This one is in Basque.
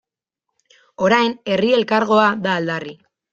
Orain Herri Elkargoa da aldarri.